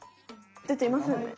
でていませんね！